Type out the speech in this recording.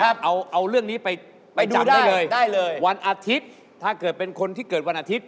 ครับเอาเรื่องนี้ไปดูได้เลยวันอาทิตย์ถ้าเกิดเป็นคนที่เกิดวันอาทิตย์